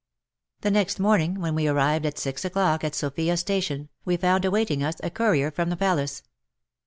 The next morning, when we arrived at six o'clock at Sofia station, we found awaiting us a courier from the Palace.